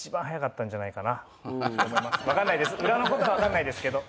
裏のことは分かんないですけど。